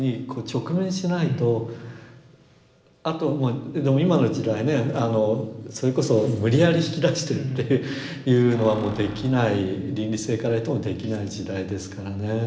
あとでも今の時代ねあのそれこそ無理やり引き出してっていうのはもうできない倫理性から言ってもできない時代ですからね。